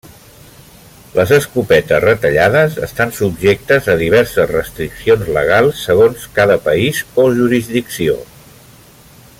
Les escopetes retallades estan subjectes a diverses restriccions legals segons cada país o jurisdicció.